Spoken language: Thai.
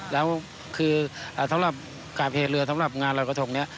แล้วคือสำหรับการเพลเรือสำหรับงานรอยกระทงนี้